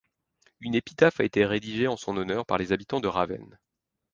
Une épitaphe a été rédigée en son honneur par les habitants de Ravenne.